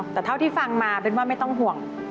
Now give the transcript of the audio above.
แต่เท่าที่ฟังมาเป็นว่าไม่ต้องห่วง